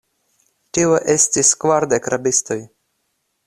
Tio estis kvardek rabistoj.